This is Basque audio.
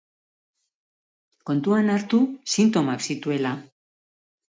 Kontuan hartu sintomak zituela.